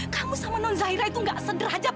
kamu sama non zahira itu nggak sederhajat